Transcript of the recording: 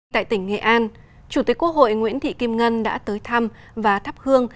tại tỉnh nghệ an chủ tịch quốc hội nguyễn thị kim ngân đã tới thăm và thắp hương